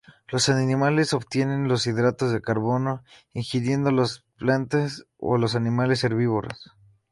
Los animales obtienen los hidratos de carbono ingiriendo las plantas o los animales herbívoros.